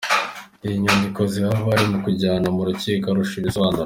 Iyo nyandiko zihaba bari no kuyijyana mu Rukiko Arusha ikisobanura.